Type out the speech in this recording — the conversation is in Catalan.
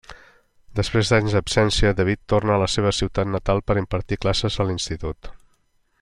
Després d'anys d'absència, David torna a la seva ciutat natal per impartir classes a l'institut.